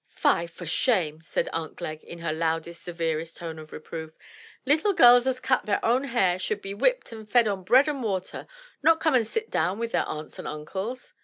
"Fie,, for shame!" said Aunt Glegg in her loudest, severest tone of reproof. "Little gells as cut their own hair should be whipped and fed on bread and water, — ^not come and sit down with their aunts and uncles."